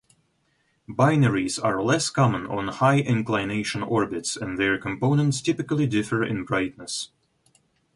Binaries are less common on high-inclination orbits and their components typically differ in brightness.